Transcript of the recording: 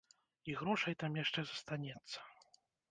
І грошай там яшчэ застанецца.